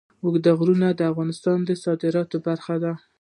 اوږده غرونه د افغانستان د صادراتو برخه ده.